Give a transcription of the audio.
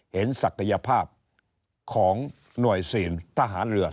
เห็นศักยภาพของหน่วยซีนทหารเรือเรา